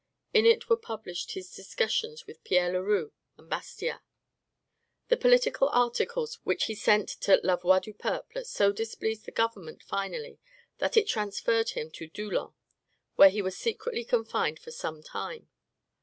In it were published his discussions with Pierre Leroux and Bastiat. The political articles which he sent to "La Voix du Peuple" so displeased the government finally, that it transferred him to Doullens, where he was secretly confined for some time.